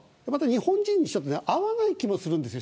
日本人には合わない気がするんです。